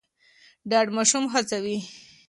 ډاډ ماشوم هڅوي.